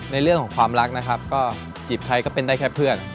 ในเรื่องของความรักนะครับก็จีบใครก็เป็นได้แค่เพื่อน